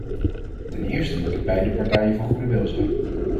Ten eerste moeten beide partijen van goede wil zijn.